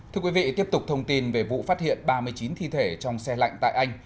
thưa quý vị tiếp tục thông tin về vụ phát hiện ba mươi chín thi thể trong xe lạnh tại anh